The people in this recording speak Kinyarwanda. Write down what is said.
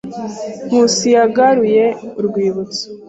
Nkusi yagaruye urwibutso.